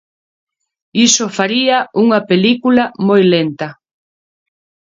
Iso faría unha película moi lenta.